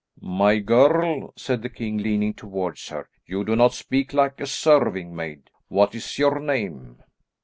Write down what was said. "My girl," said the king leaning towards her, "you do not speak like a serving maid. What is your name?"